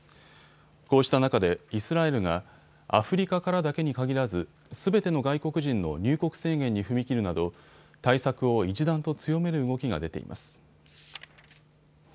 こうした中でイスラエルがアフリカからだけに限らずすべての外国人の入国制限に踏み切るなど対策を一段と強める動きが出ています。